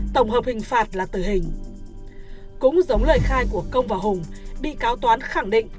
tổng hợp hình phạt là tử hình cũng giống lời khai của công và hùng bị cáo toán khẳng định